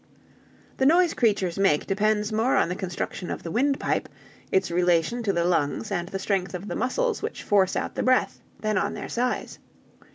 "The noise creatures make depends more on the construction of the windpipe, its relation to the lungs and the strength of the muscles which force out the breath, than on their size.